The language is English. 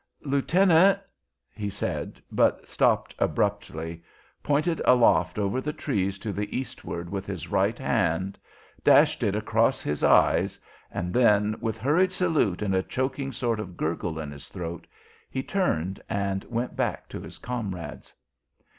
"Lieutenant " he said, but stopped abruptly, pointed aloft over the trees to the eastward with his right hand, dashed it across his eyes, and then, with hurried salute and a choking sort of gurgle in his throat, he turned and went back to his comrades.